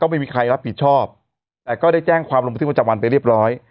ไม่มีใครรับผิดชอบแต่ก็ได้แจ้งความลงบันทึกประจำวันไปเรียบร้อย